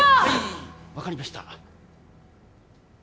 はい分かりました